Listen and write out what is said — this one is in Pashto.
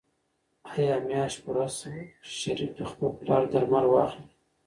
آیا میاشت پوره شوه چې شریف د خپل پلار درمل واخلي؟